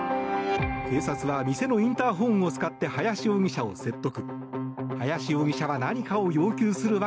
警察は店のインターホンを使って林容疑者を説得。